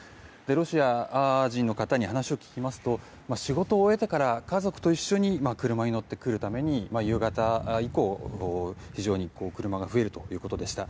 ロシア人の方に話を聞きますと仕事を終えてから、家族と一緒に車に乗って来るために夕方以降非常に車が増えるということでした。